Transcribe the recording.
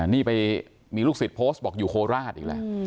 นี่ไปมีลูกศิษย์โพสต์บอกอยู่โคราชอีกแล้ว